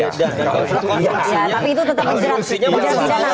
ya tapi itu tetap penjara